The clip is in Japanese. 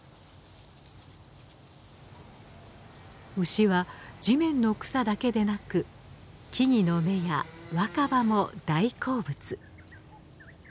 牛は地面の草だけでなく木々の芽や若葉も大好物。